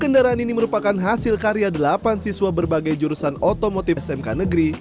kendaraan ini merupakan hasil karya delapan siswa berbagai jurusan otomotif smk negeri